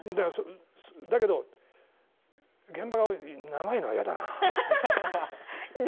だけど、現場が長いのは嫌だな。